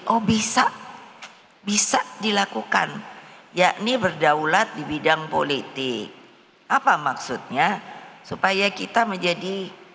oh bisa bisa dilakukan yakni berdaulat di bidang politik apa maksudnya supaya kita menjadi